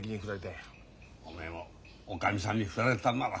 おめえもおかみさんに振られたんなら